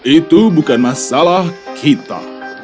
itu bukan masalah kita